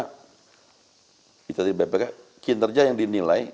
kita di bpk kinerja yang dinilai